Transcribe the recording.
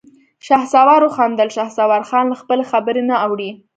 شهسوار وخندل: شهسوارخان له خپلې خبرې نه اوړي.